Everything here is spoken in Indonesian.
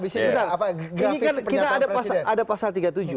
ini kan kita ada pasal tiga puluh tujuh